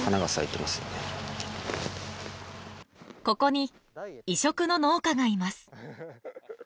ここに異色の農家がいます。